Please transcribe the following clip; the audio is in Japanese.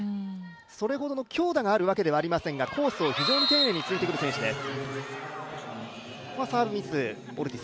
それほどの強打があるわけではありませんがコースを非常に丁寧に突いてくる選手です。